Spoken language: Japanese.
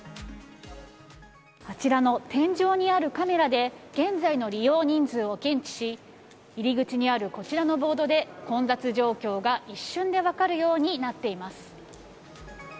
あちらの天井にあるカメラで、現在の利用人数を検知し、入り口にあるこちらのボードで、混雑状況が一瞬で分かるようになっています。